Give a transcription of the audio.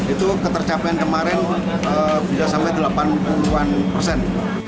itu ketercapaian kemarin bisa sampai delapan puluh an persen